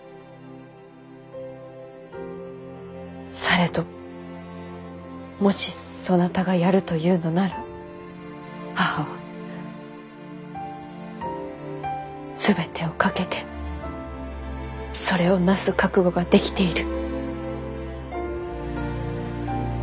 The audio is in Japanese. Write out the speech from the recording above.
されどもしそなたがやるというのなら母は全てを懸けてそれをなす覚悟ができている。